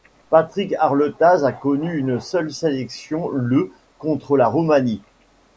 Patrick Arlettaz a connu une seule sélection le contre la Roumanie.